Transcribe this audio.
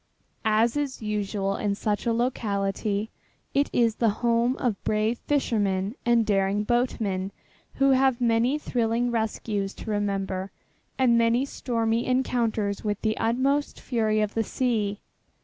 As is usual in such a locality it is the home of brave fishermen and daring boatmen who have many thrilling rescues to remember and many stormy encounters with the utmost fury of the sea.